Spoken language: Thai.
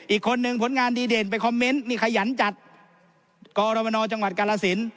อีกคนนึงผลงานดีเด่นไปคอมเมนต์นี่ขยันจัดกรมนจังหวัดกาลสิน